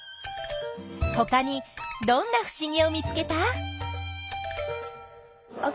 ほかにどんなふしぎを見つけた？